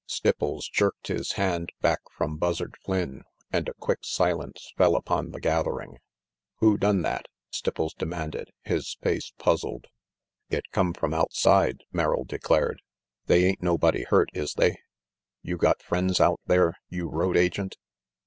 Stipples jerked his hand back from Buzzard Flynn and a quick silence fell upon the gathering. "Who done that?" Stipples demanded, his face puzzled. "It come from outside," Merrill declared. "They ain't nobody hurt, is they? You got friends out there, you road agent?"